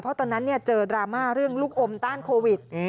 เพราะตอนนั้นเจอดราม่าเรื่องลูกอมต้านโควิด